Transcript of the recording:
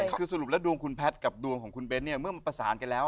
คือสรุปแล้วดวงคุณแพทย์กับดวงของคุณเบ้นเนี่ยเมื่อประสานกันแล้ว